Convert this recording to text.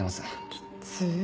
きっつぅ。